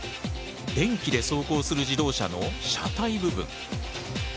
電気で走行する自動車の車体部分。